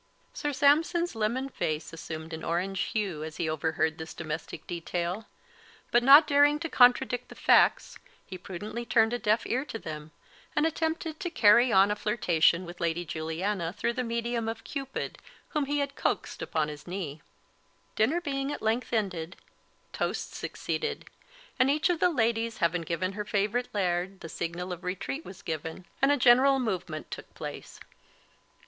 Sir Sampson's lemon face assumed an orange hue as he overheard this domestic detail; but not daring to contradict the facts, he prudently turned a deaf ear to them, and attempted to carryon a flirtation with Lady Juliana through the medium of Cupid, whom he had coaxed upon his knee. Dinner being at length ended, toasts succeeded: and each of the ladies having given her favourite laird, the signal of retreat was given, and a general movement took place.